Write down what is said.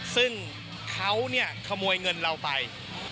ซึ่งเขาเนี่ยขโมยเงินเราไป